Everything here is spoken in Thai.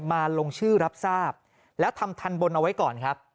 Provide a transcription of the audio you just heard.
มาลงชื่อรับทราบแล้วทำทันบนเอาไว้ก่อนครับ